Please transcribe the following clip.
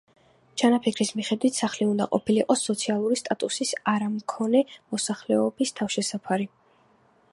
ჩანაფიქრის მიხედვით სახლი უნდა ყოფილიყო სოციალური სტატუსის არმქონე მოსახლეობის თავშესაფარი.